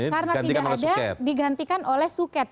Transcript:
karena tidak ada digantikan oleh suket